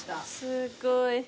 すごい。